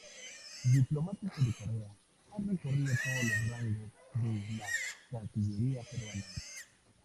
Diplomático de carrera, ha recorrido todos los rangos de la Cancillería peruana.